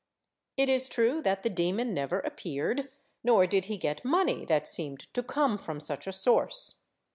It is true that the demon never appeared, nor did he get money that seemed to come from such a source.